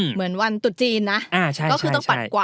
ฮ่า